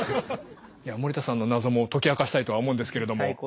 森田さんの謎も解き明かしたいとは思うんですけれども。